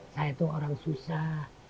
saya tuh orang susah